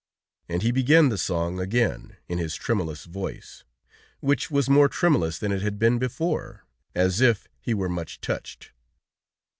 And he began the song again, in his tremulous voice, which was more tremulous than it had been before, as if he were much touched.